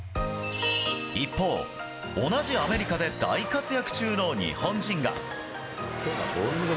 一方、同じアメリカで大活躍中の日本人が。